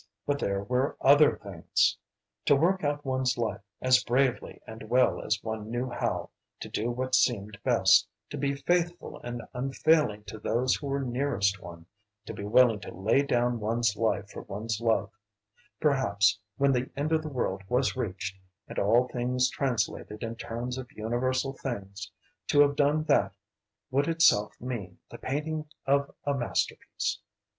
But there were other things! To work out one's life as bravely and well as one knew how, to do what seemed best, to be faithful and unfailing to those who were nearest one, to be willing to lay down one's life for one's love, perhaps when the end of the world was reached, and all things translated in terms of universal things, to have done that would itself mean the painting of a masterpiece.